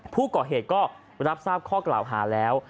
ผู้ก่อเหตุก็รับทราบข้อกล่าวหาแล้ว